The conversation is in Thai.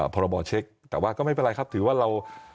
พรบเช็คแต่ว่าก็ไม่เป็นไรครับถือว่าเรา